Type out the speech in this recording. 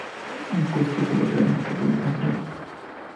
En Cuzco sólo quedó una estatua en su honor.